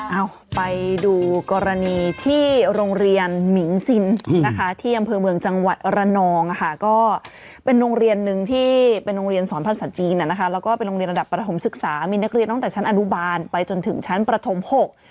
เอาไปดูกรณีที่โรงเรียนมิงซินนะคะที่อำเภอเมืองจังหวัดระนองนะคะก็เป็นโรงเรียนหนึ่งที่เป็นโรงเรียนสอนภาษาจีนอ่ะนะคะแล้วก็เป็นโรงเรียนระดับประถมศึกษามีนักเรียนตั้งแต่ชั้นอนุบาลไปจนถึงชั้นประถมหก